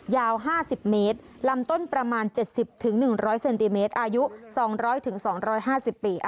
ยาว๕๐เมตรลำต้นประมาณ๗๐๑๐๐เซนติเมตรอายุ๒๐๐๒๕๐ปี